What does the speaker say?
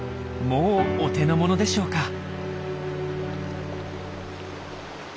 もうお手の物でしょうか？